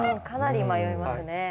かなり迷いますね。